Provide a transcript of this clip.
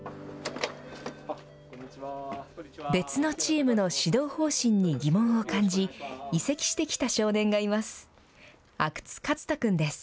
別のチームの指導方針に疑問を感じ、移籍してきた少年がいます。